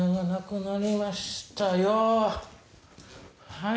はい。